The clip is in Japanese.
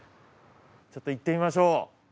ちょっと行ってみましょう。